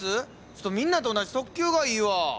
ちょっとみんなと同じ特急がいいわ。